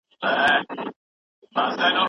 چې په موږه ګران و.